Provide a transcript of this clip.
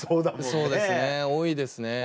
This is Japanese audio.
そうですね多いですね。